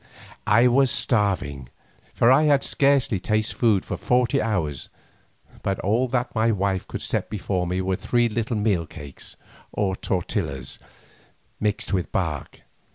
I was starving, for I had scarcely tasted food for forty hours, but all that my wife could set before me were three little meal cakes, or tortillas, mixed with bark.